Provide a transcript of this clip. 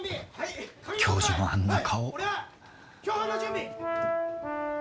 教授のあんな顔。